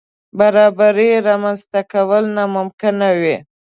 برابرۍ رامنځ ته کول ناممکن وي.